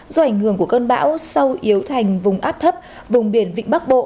do ảnh hưởng của cơn bão sâu yếu thành vùng áp thấp vùng biển vĩ bắc bộ